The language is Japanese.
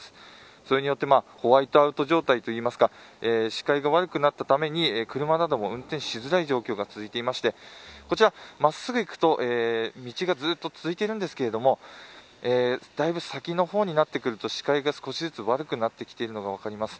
それによってホワイトアウト状態といいますか視界が悪くなったために車なども運転しづらい状況が続いていて真っすぐ行くと道がずっと続いているんですけどだいぶ先の方になってくると視界が少しずつ悪くなってきているのが分かります。